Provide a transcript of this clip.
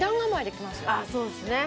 そうですね。